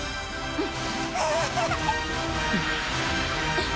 うん。